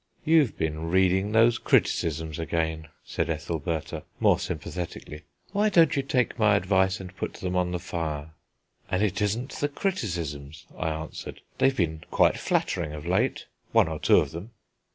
"You've been reading those criticisms again," said Ethelbertha, more sympathetically; "why don't you take my advice and put them on the fire?" "And it isn't the criticisms," I answered; "they've been quite flattering of late one or two of them."